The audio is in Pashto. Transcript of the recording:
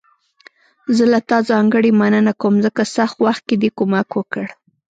زه له تا ځانګړي مننه کوم، ځکه سخت وخت کې دې کومک وکړ.